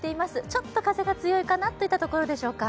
ちょっと風が強いかなというところでしょうか。